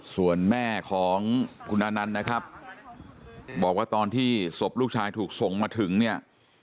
ส่วนแม่ของคุณอนันต์นะครับบอกว่าตอนที่ศพลูกชายถูกส่งมาถึงเนี่ย